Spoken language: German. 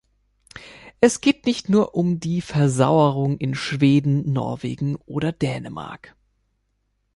Es geht nicht nur um die Versauerung in Schweden, Norwegen oder Dänemark.